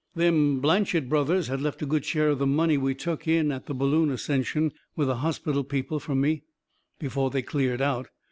Them Blanchet Brothers had left a good share of the money we took in at the balloon ascension with the hospital people fur me before they cleared out.